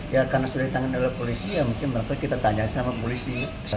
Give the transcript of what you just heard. ya karena sudah ditangani oleh polisi ya mungkin mereka tanya sama polisi